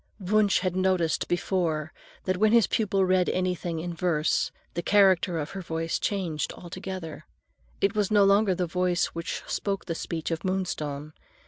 Wunsch had noticed before that when his pupil read anything in verse the character of her voice changed altogether; it was no longer the voice which spoke the speech of Moonstone.